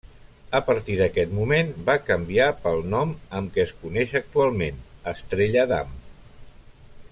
A partir d'aquest moment va canviar pel nom amb què es coneix actualment, Estrella Damm.